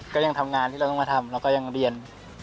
ก็ยังทำงานที่เราต้องมาทำเราก็ยังเรียน